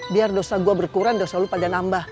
biar dosa gue berkurang dosa lu pada nambah